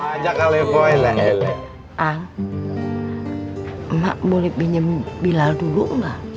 aja kali poinnya anggung emak boleh pinjem bilal dulu enggak